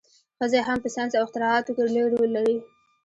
ښځې هم په ساینس او اختراعاتو کې لوی رول لري.